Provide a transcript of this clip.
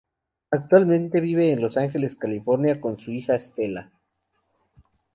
Actualmente vive en Los Ángeles, California con su hija Stella.